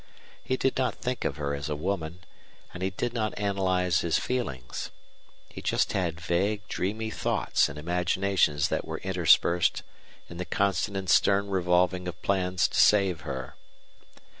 He did not think of her as a woman, and he did not analyze his feelings. He just had vague, dreamy thoughts and imaginations that were interspersed in the constant and stern revolving of plans to save her.